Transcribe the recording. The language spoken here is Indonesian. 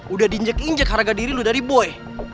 udah di injek injek harga diri lu dari boy